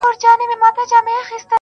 هغه به زما له سترگو.